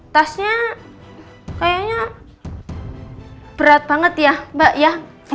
tasnya kayaknya berat banget ya mbak ya